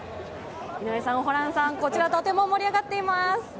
井上さん、ホランさん、こちらとても盛り上がっています。